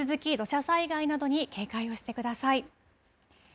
引き続き、土砂災害などに警戒をしてください。